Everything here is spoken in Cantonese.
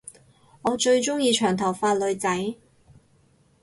我最鐘意長頭髮女仔